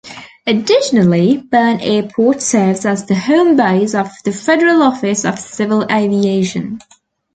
Additionally, Bern Airport serves as the homebase of the Federal Office of Civil Aviation.